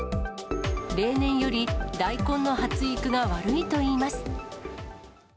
例年より大根の発育が悪いといいます。